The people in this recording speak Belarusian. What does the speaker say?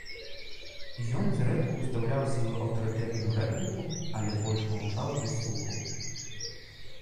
Ён зрэдку ўстаўляў сваю аўтарытэтную рэпліку, але больш маўчаў і слухаў.